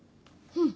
うん。